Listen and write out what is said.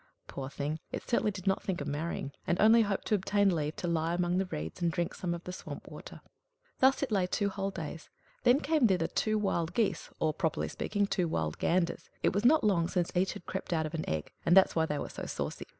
Poor thing! it certainly did not think of marrying, and only hoped to obtain leave to lie among the reeds and drink some of the swamp water. Thus it lay two whole days; then came thither two wild geese, or, properly speaking, two wild ganders. It was not long since each had crept out of an egg, and that's why they were so saucy.